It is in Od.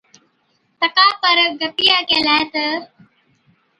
تڪا پر گپِيئَي ڪيهلَي تہ،